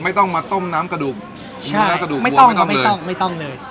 ไม่ต้องมาต้มน้ำกระดูกใช่ไม่ต้องไม่ต้องไม่ต้องเลย